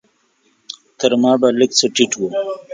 تر ما به لږ څه ټيټ و.